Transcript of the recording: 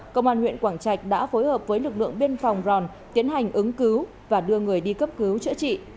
công an huyện quảng trạch đã phối hợp với lực lượng biên phòng ròn tiến hành ứng cứu và đưa người đi cấp cứu chữa trị